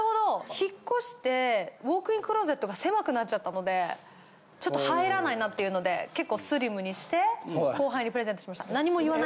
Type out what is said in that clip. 引っ越してウォークインクローゼットが狭くなっちゃったのでちょっと入らないなっていうので結構スリムにして後輩にプレゼントしました。